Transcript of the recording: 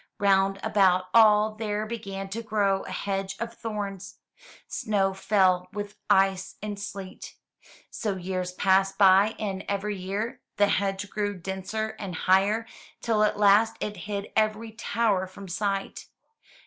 Round about all there began to grow a hedge of thorns; snow fell with ice and sleet. So years passed by and every year the hedge grew denser and higher, till at last it hid every tower from sight.